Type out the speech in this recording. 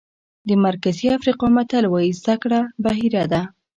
د مرکزي افریقا متل وایي زده کړه بحیره ده.